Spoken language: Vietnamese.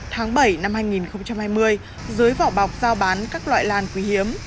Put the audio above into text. tháng bảy năm hai nghìn hai mươi dưới vỏ bọc giao bán các loại lan quý hiếm